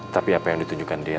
tapi apa yang ditujukan dia